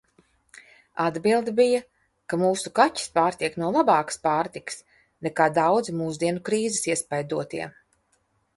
Atbilde bija, ka mūsu kaķis pārtiek no labākas pārtikas, nekā daudzi mūsdienu krīzes iespaidotie.